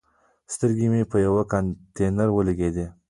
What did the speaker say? سترګې مې په یوه کانتینر ولګېدي.